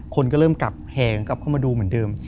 คนก็เริ่มกลับแหงกลับเข้ามาดูเหมือนเดิม